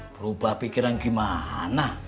berubah pikiran gimana